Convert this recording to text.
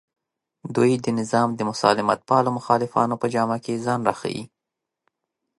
دوی د نظام د مسالمتپالو مخالفانو په جامه کې ځان راښیي